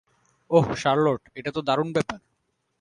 ওহ, Charlotte, এটা তো দারুণ ব্যাপার।